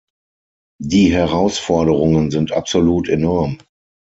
Die Herausforderungen sind absolut enorm.